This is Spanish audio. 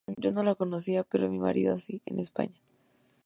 Yo no la conocía, pero mi marido sí, en España.